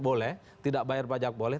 boleh tidak bayar pajak boleh